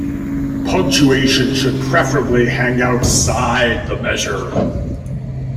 Punctuation should preferably hang outside the measure.